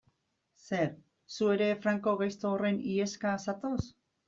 Zer, zu ere Franco gaizto horren iheska zatoz?